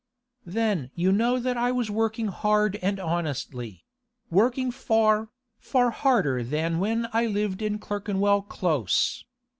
'Then you know that I was working hard and honestly—working far, far harder than when I lived in Clerkenwell Close.